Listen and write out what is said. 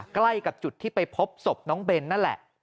ใกล้กับจุดที่ไปพบศพน้องเบนนั่นแหละ